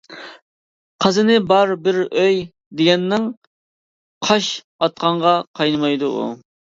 قازىنى بار بىر ئۆي دېگەننىڭ، قاش ئاتقانغا قاينىمايدۇ ئۇ.